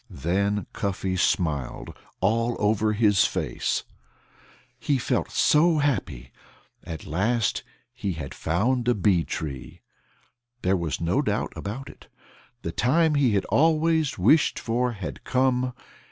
Then Cuffy smiled all over his face, he felt so happy. At last he had found a bee tree. There was no doubt about it. The time he had always wished for had come.